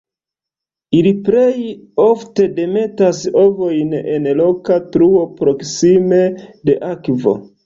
Ili plej ofte demetas ovojn en roka truo proksime de akvo.